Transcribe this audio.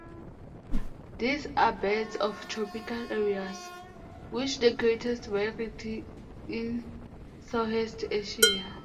These are birds of tropical areas, with the greatest variety in southeast Asia.